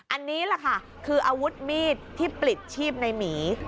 อันนี้แหละค่ะคืออาวุธมีดที่ปลิดชีพในหมี